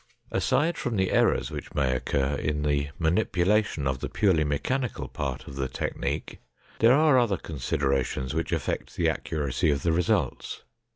Aside from the errors which may occur in the manipulation of the purely mechanical part of the technique, there are other considerations which affect the accuracy of the results.